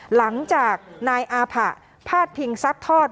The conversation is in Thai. หลังจากนายอาผะพาดพิงซัดทอด